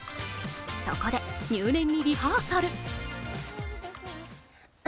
そこで入念にリハーサル。